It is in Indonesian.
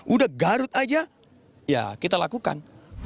udah garut aja ya kita lakukan